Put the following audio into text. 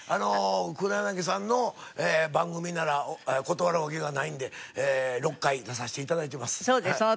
黒柳さんの番組なら断る訳がないんで６回出させて頂いてます。